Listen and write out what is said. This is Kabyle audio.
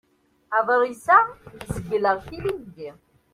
Aḍris-a zegleɣ-t ilindi.